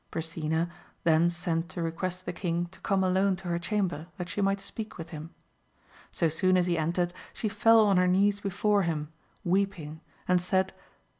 Brisena then sent to request the king to come alone to her chamber, that she might speak with him. So soon as he entered she fell on her knees before him, weeping, and said.